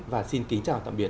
và xin kính chào tạm biệt